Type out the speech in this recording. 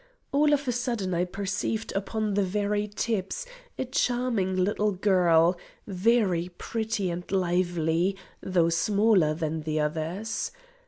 All of a sudden I perceived upon the very tips a charming little girl, very pretty and lively, though smaller than the others.